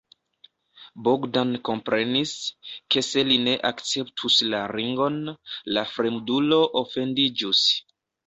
Bogdan komprenis, ke se li ne akceptus la ringon, la fremdulo ofendiĝus.